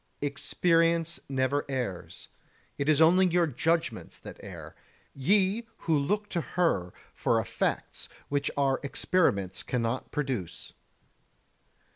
33. Experience never errs; it is only your judgements that err, ye who look to her for effects which our experiments cannot produce.